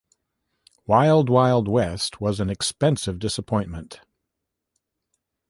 "Wild Wild West" was an expensive disappointment.